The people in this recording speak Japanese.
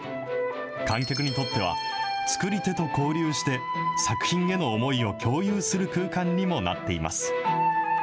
観客にとっては、作り手と交流して作品への思いを共有する空間にもなっています。